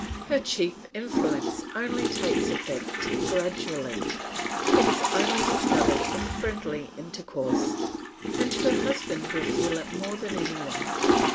Her chief influence only takes effect gradually, it is only discovered in friendly intercourse; and her husband will feel it more than any one.